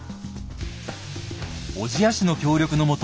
小千谷市の協力のもと